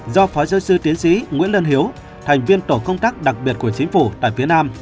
do phó giáo sư tiến sĩ nguyễn lân hiếu thành viên tổ công tác đặc biệt của chính phủ tại phía nam